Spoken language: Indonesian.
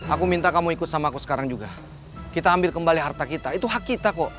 aku minta kamu ikut sama aku sekarang juga kita ambil kembali harta kita itu hak kita kok